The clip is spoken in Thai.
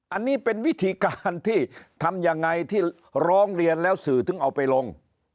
อันนี้เป็นวิธีการที่ทำยังไงที่ร้องเรียนแล้วสื่อถึงเอาไปลง